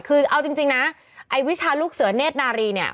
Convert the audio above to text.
คือเอาจริงนะไอ้วิชาลูกเสือเนธนารีเนี่ย